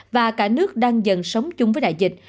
và cả nước đang dần sống chung với đại dịch